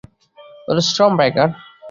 ওঠো, storm breaker.